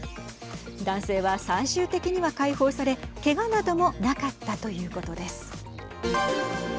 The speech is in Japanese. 男性は最終的には解放されけがなどもなかったということです。